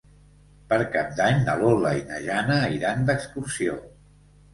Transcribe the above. Per Cap d'Any na Lola i na Jana iran d'excursió.